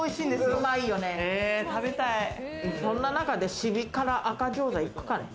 そんな中で「シビ！から！赤餃子」行くかね？